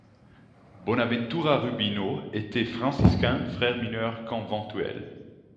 Bonaventura Rubino était franciscain, frère mineur conventuel.